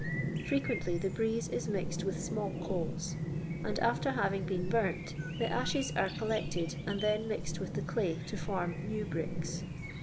Fre quently the " briezii" is mixed with small coals, and after having been burnt the ashes are collected, and then mixed with the clay to form new bricks.